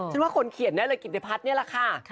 ฉันว่าคนเขียนได้เลยกิตเตภัทร์นี่แหละค่ะ